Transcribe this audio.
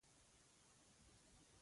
خو یو څو پوټي وو ډېر څه نه وو.